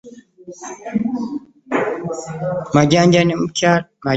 Majanja ne mukyala we battiddwa mu ntiisa.